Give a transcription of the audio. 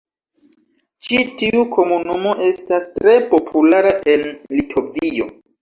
Ĉi tiu komunumo estas tre populara en Litovio.